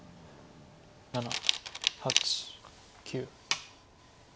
７８９。